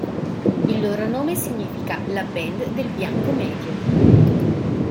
Il loro nome significa "la band del bianco medio".